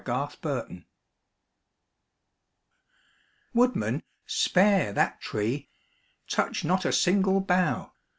[See Notes] Woodman, spare that tree! Touch not a single bough!